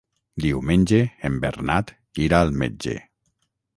Diumenge en Bernat irà al metge.